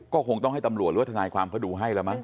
ก็คงต้องให้ตำรวจหรือว่าทนายความเขาดูให้แล้วมั้